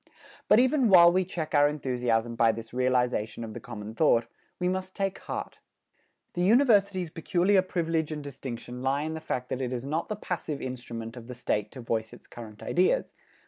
But even while we check our enthusiasm by this realization of the common thought, we must take heart. The University's peculiar privilege and distinction lie in the fact that it is not the passive instrument of the State to voice its current ideas.